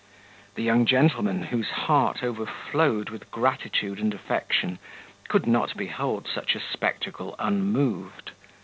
The young gentleman, whose heart overflowed with gratitude and affection, could not behold such a spectacle unmoved.